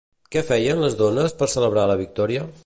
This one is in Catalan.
Què feien les dones per celebrar la victòria?